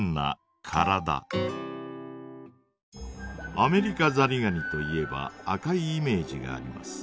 アメリカザリガニといえば赤いイメージがあります。